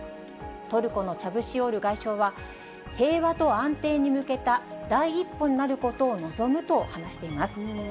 トルコのチャブシオール外相は、平和と安定に向けた第一歩になることを望むと話しています。